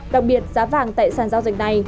đặc biệt giá vàng tại sàn giao dịch này